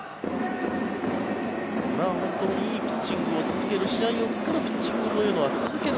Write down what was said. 本当にいいピッチングを続ける試合を作るピッチングというのは続ける